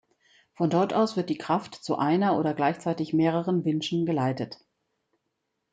Von dort aus wird die Kraft zu einer oder gleichzeitig mehreren Winschen geleitet.